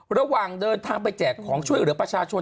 ระหว่างเดินทางไปแจกของช่วยเหลือประชาชน